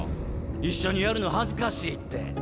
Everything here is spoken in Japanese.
一緒にやるの恥ずかしいって。